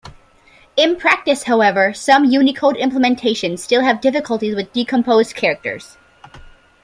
In practice, however, some Unicode implementations still have difficulties with decomposed characters.